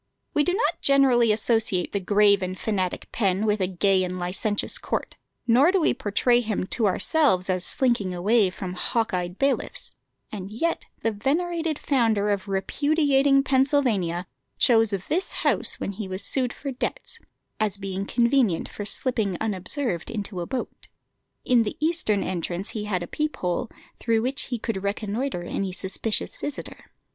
We do not generally associate the grave and fanatic Penn with a gay and licentious court, nor do we portray him to ourselves as slinking away from hawk eyed bailiffs; and yet the venerated founder of repudiating Pennsylvania chose this house when he was sued for debts, as being convenient for slipping unobserved into a boat. In the eastern entrance he had a peep hole, through which he could reconnoitre any suspicious visitor.